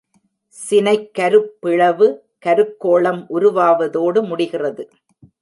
சினைக்கருப்பிளவு கருக்கோளம் உருவாவதோடு முடிகிறது.